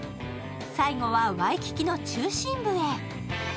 最後はワイキキの中心部へ。